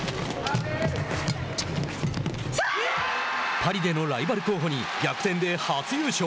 パリでのライバル候補に逆転で初優勝。